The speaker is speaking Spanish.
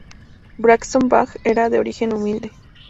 Braxton Bragg era de origen humilde.